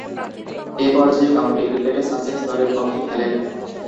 এ পর্যায়ে কাউন্টি ক্রিকেটে সাসেক্স দলের পক্ষে খেলেন।